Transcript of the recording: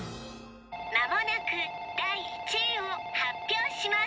間もなく第１位を発表します